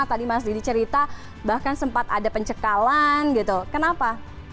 tadi mas didi cerita bahkan sempat ada pencekalan gitu kenapa